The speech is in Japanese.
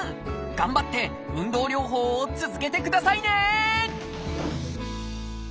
頑張って運動療法を続けてくださいね！